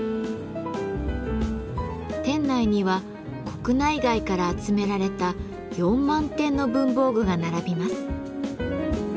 店内には国内外から集められた４万点の文房具が並びます。